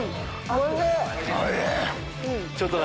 おいしい。